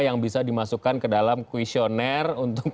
yang bisa dimasukkan ke dalam kuisioner untuk menentukan